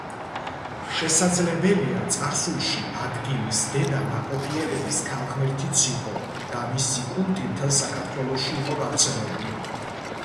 შესაძლებელია, წარსულში ადგილის დედა ნაყოფიერების ქალღმერთიც იყო და მისი კულტი მთელ საქართველოში იყო გავრცელებული.